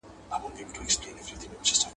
اوبه له جوس ښه دي؟!